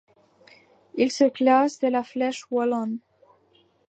Il se classe de la Flèche wallonne.